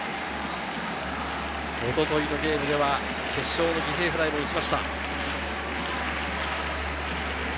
一昨日のゲームでは決勝の犠牲フライを打ちました。